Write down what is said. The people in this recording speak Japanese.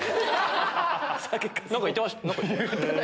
何か言ってました？